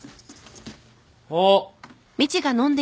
あっ。